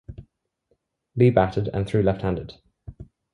Lee batted and threw left-handed.